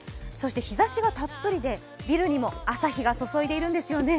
日ざしはたっぷりでビルにも朝日が注いでいるんですね。